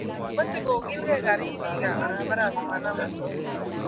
mache kogilgei kariibik ab barabara ko manam asoya